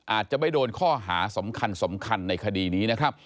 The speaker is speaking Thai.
อาจจะไม่โดนข้อหาสำคัญสำคัญในคดีนี้นะครับ